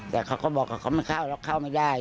แต่เขาก็บอกว่าเขาไม่เข้าหรอกเข้าไม่ได้